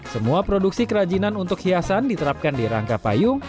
semua produksi kerajinan untuk hiasan diterapkan di rangka payung